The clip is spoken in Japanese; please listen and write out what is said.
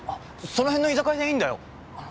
そのへんの居酒屋でいいんだよ。